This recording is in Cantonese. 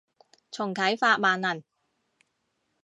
重啟法萬能